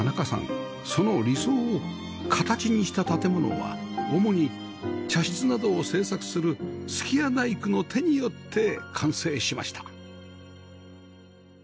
その理想を形にした建物は主に茶室などを製作する数寄屋大工の手によって完成しました